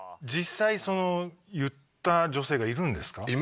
実際その言った女性がいるんですか？